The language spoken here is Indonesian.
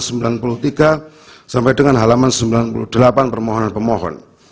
sampai dengan halaman sembilan puluh delapan permohonan pemohon